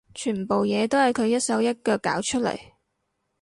全部嘢都係佢一手一腳搞出嚟